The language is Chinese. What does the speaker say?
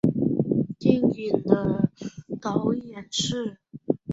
电影的导演是。